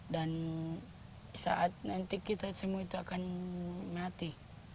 dan saat nanti kita semua itu akan mati